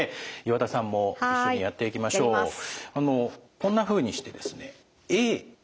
こんなふうにしてですねＡＢＣＤと。